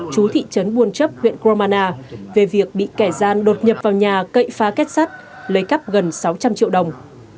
chú thị trấn buôn chấp huyện cơ đông an na về việc bị kẻ gian đột nhập vào nhà cậy phá kết sát lấy cắp gần sáu trăm linh triệu đồng